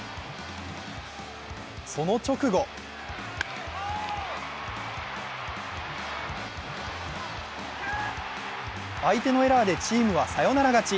その直後相手のエラーでチームはサヨナラ勝ち。